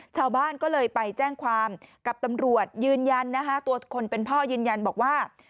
ชาวบ้านก็เลยไปแจ้งความกับตำรวจยืนยันนะคะตัวคนเป็นพ่อยืนยันบอกว่า